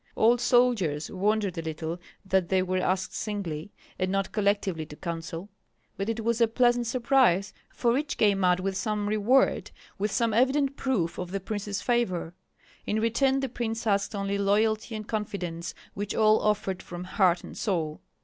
Old soldiers wondered a little that they were asked singly, and not collectively to counsel; but it was a pleasant surprise, for each came out with some reward, with some evident proof of the prince's favor; in return the prince asked only loyalty and confidence, which all offered from heart and soul.